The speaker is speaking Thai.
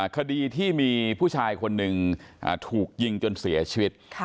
คดีที่มีผู้ชายคนหนึ่งถูกยิงจนเสียชีวิต